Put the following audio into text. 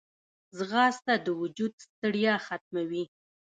ځغاسته د وجود ستړیا ختموي